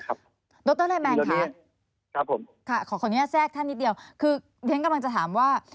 ดรนายแมนค่ะครับผมค่ะขอขออนุญาตแทรกท่านนิดเดียวคือเรียนกำลังจะถามว่า